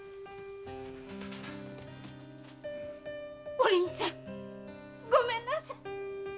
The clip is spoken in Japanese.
お凛さんごめんなさい！